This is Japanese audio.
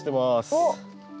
おっ。